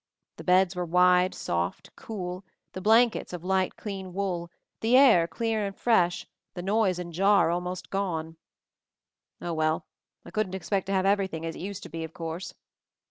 The beds were wide, soft, cool, the blankets of light clean wool, the air clear and fresh, the noise and jar almost gone. Oh, well, I couldn't expect to have everything as it used to be, of course.